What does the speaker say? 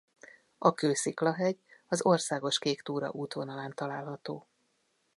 A Kőszikla-hegy az Országos Kéktúra útvonalán található.